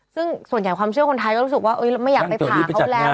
ซึ่งส่วนใหญ่ความเชื่อคนไทยก็รู้สึกว่าเราไม่อยากไปผ่าเขาแล้ว